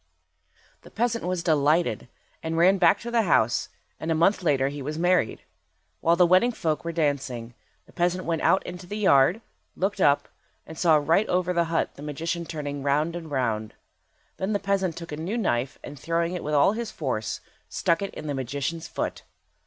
The peasant was delighted, and ran back to the house, and a month later he was married. While the wedding folk were dancing, the peasant went out into the yard, looked up, and saw right over the hut the magician turning round and round. Then the peasant took a new knife, and throwing it with all his force, stuck it in the magician's foot.